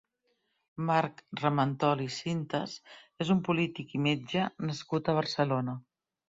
Marc Ramentol i Sintas és un polític i metge nascut a Barcelona.